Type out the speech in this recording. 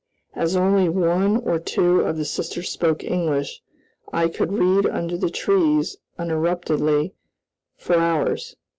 As only one or two of the sisters spoke English, I could read under the trees uninterruptedly for hours.